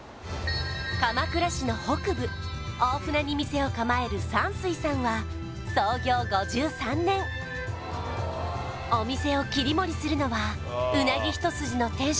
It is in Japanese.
鎌倉市の北部大船に店を構える山水さんは創業５３年お店を切り盛りするのは鰻ひと筋の店主